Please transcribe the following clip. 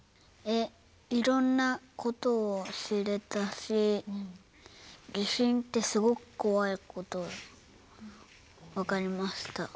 いろんなことを知れたし地震ってすごく怖いこと分かりました。